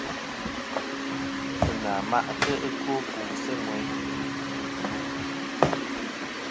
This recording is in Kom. Ghesɨnà ma'tɨ ɨkwo fu sɨ ŋweyn wu lu.